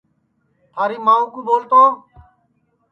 تھاری مائوں ٻول تو